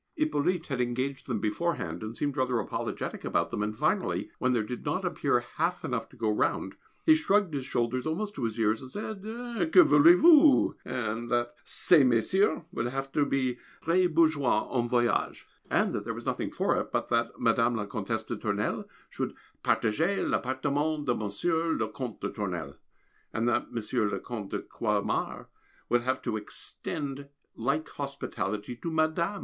Hippolyte had engaged them beforehand, and seemed rather apologetic about them, and finally, when there did not appear half enough to go round, he shrugged his shoulders almost up to his ears and said, "Que voulez vous!" and that "Ces Messieurs" would have to be "très bourgeois en voyage," and that there was nothing for it but that Mme. la Comtesse de Tournelle should "partager l'appartement de Monsieur le Comte de Tournelle," and that Monsieur le Comte de Croixmare would have to extend like hospitality to Mme.